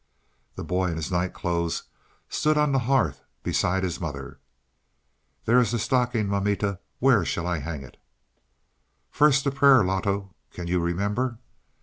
The boy, in his night clothes, stood on the hearth beside his mother. "There is the stocking, mamita. Where shall I hang it?" "First the prayer, Loto. Can you remember?"